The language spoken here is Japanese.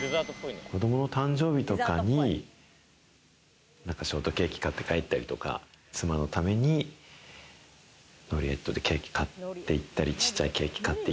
子供の誕生日とかにショートケーキを買って帰ったりとか、妻のためにノリエットでケーキ買っていったり。